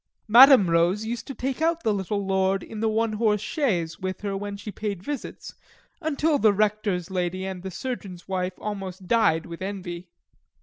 Mm. Rose used to take out the little Lord in the one horse chaise with her when she paid visits, until the Rector's lady and the Surgeon's wife almost died with envy.